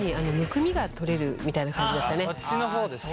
そっちの方ですか。